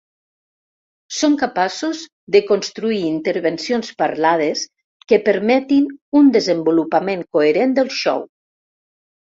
Són capaços de construir intervencions parlades que permetin un desenvolupament coherent del xou.